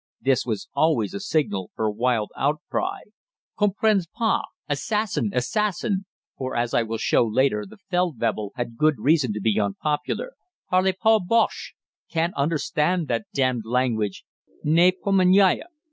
This was always the signal for a wild outcry "Comprends pas!" "Assassin!" "Assassin!" (for, as I will show later, the Feldwebel had good reason to be unpopular), "Parle pas Bosche!" "Can't understand that damned language," "Ne pomenaio!"